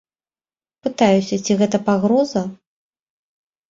Пытаюся, ці гэта пагроза.